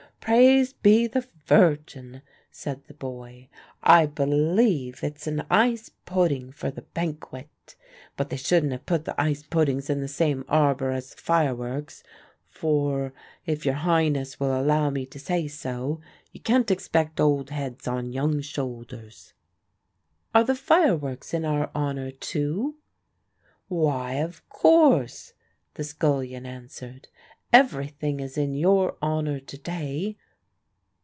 "Praised be the Virgin!" said the boy, "I believe it's an ice pudding for the banquet. But they shouldn't have put the ice puddings in the same arbour as the fireworks; for, if your Highness will allow me to say so, you can't expect old heads on young shoulders." "Are the fireworks in our honour too?" "Why, of course," the scullion answered; "everything is in your honour to day."